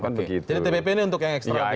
jadi tpp ini untuk yang ekstra